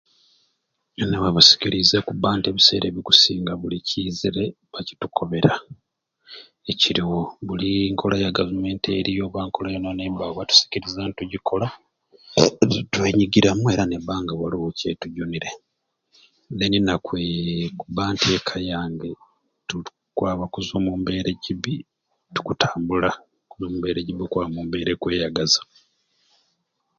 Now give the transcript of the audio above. Yoona basikiriize kubba nti ebiseera ebikusinga buli kiizire bakitukobera ekiriwo buli nkola ya Gavumenti eriyo oba nkola batusikiriza ni tugikola nitwenyigiramu era nebba nga waliwo kyetujunire deni nakwii kubba na nteeka yange tukwaba okuzwa omu mbeera egibbi tukutambula omu mbeera egibbi tukwaba omu mbeera ekweyagaza.